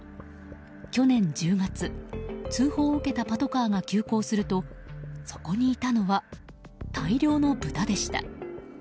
去年１０月、通報を受けたパトカーが急行するとそこにいたのは大量の豚でした。